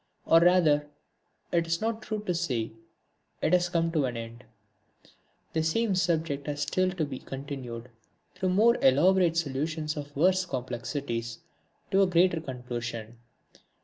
Or, rather, it is not true to say it has come to an end. The same subject has still to be continued through more elaborate solutions of worse complexities, to a greater conclusion.